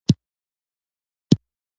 چې چا ته پېښ شي غم د خوړلو.